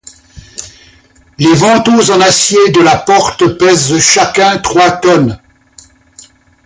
Les vantaux en acier de la porte pèsent chacun trois tonnes.